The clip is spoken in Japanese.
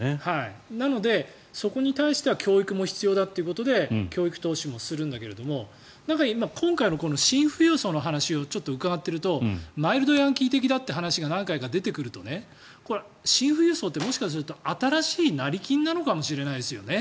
なので、そこに対しては教育も必要だということで教育投資もするんだけど今回のシン富裕層の話をちょっと伺ってるとマイルドヤンキー的だという話が何回か出てくるとシン富裕層ってもしかすると新しい成金なのかもしれないですよね。